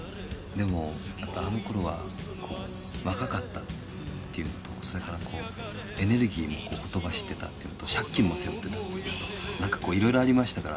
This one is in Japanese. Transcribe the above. でも、あの頃は若かったっていうのとそれから、エネルギーもほとばしってたというのと借金も背負ってたっていうのとなんか、こう色々ありましたから。